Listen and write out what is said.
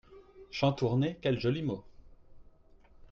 Chantournées, quel joli mot